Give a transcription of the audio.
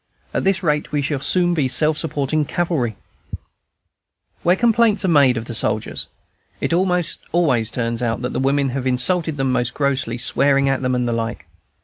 At this rate we shall soon be self supporting cavalry. "Where complaints are made of the soldiers, it almost always turns out that the women have insulted them most grossly, swearing at them, and the like.